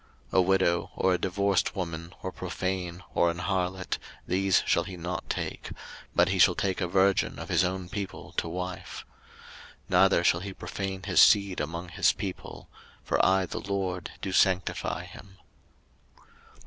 03:021:014 A widow, or a divorced woman, or profane, or an harlot, these shall he not take: but he shall take a virgin of his own people to wife. 03:021:015 Neither shall he profane his seed among his people: for I the LORD do sanctify him.